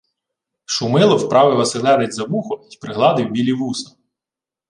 Шумило вправив оселедець за вухо й пригладив білі вуса.